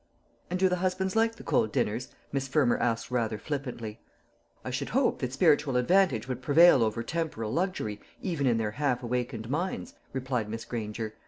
"And do the husbands like the cold dinners?" Miss Fermor asked rather flippantly. "I should hope that spiritual advantage would prevail over temporal luxury, even in their half awakened minds," replied Miss Granger.